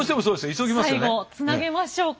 最後つなげましょうか。